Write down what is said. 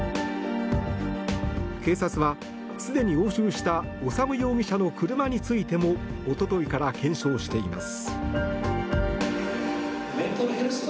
警察は、すでに押収した修容疑者の車についてもおとといから検証しています。